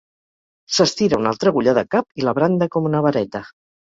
S'estira una altra agulla de cap i la branda com una vareta.